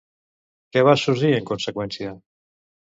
Què va sorgir, en conseqüència?